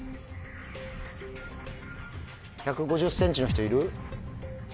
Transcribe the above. １５０ｃｍの人いる？